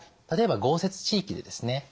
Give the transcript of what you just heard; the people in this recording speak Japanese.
例えば豪雪地域でですね